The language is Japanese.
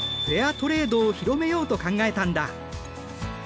トレードを広めようと考えたんだ。